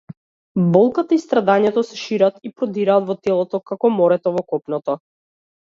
Болката и страдањето се шират и продираат во телото, како морето во копното.